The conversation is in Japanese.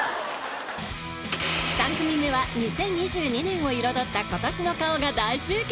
３組目は２０２２年を彩った今年の顔が大集結！